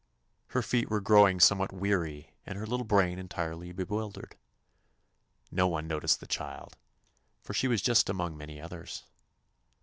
Her feet were growing somewhat weary and her little brain entirely bewildered. No one noticed the child, for she was just one among many others.